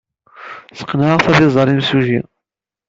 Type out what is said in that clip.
Sqenɛeɣ-t ad iẓer imsujji.